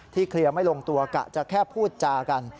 เคลียร์ไม่ลงตัวกะจะแค่พูดจากัน